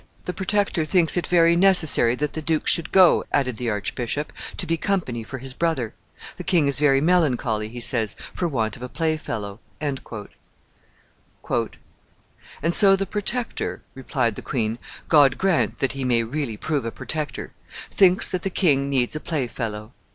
"The Protector thinks it very necessary that the duke should go," added the archbishop, "to be company for his brother. The king is very melancholy, he says, for want of a playfellow." "And so the Protector," replied the queen "God grant that he may really prove a protector thinks that the king needs a playfellow!